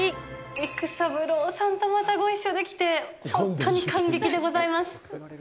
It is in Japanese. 育三郎さんとまたご一緒できて、本当に感激でございます。